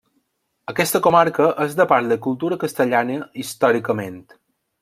Aquesta comarca és de parla i cultura castellana històricament.